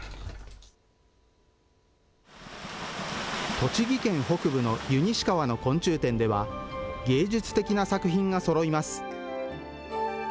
栃木県北部の湯西川の昆虫展では芸術的な作品がそろいます。